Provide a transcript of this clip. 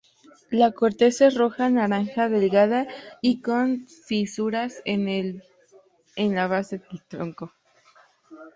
La corteza es roja-naranja, delgada y con fisuras en la base del tronco.